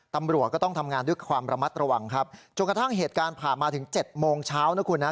ตำรวจก็ต้องทำงานด้วยความระมัดระวังครับจนกระทั่งเหตุการณ์ผ่านมาถึงเจ็ดโมงเช้านะคุณนะ